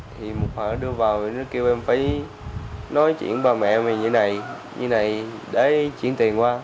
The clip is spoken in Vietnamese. thì một họa đưa vào thì nó kêu em phải nói chuyện với bà mẹ mình như này như này để chuyển tiền qua